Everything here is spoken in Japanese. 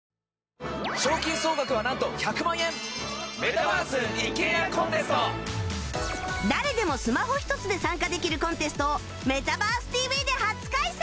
オールインワン誰でもスマホ１つで参加できるコンテストを『メタバース ＴＶ！！』で初開催！